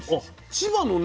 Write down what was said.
千葉のね